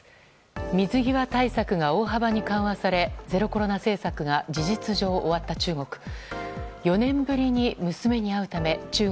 水際対策が大幅に緩和されゼロコロナ政策が事実上、終わった中国。